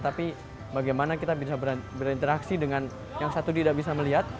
tapi bagaimana kita bisa berinteraksi dengan yang satu tidak bisa melihat